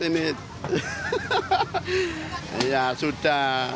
ini ya sudah